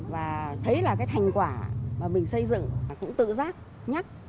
và thấy là cái thành quả mà mình xây dựng và cũng tự giác nhắc